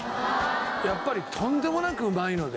やっぱりとんでもなくうまいので。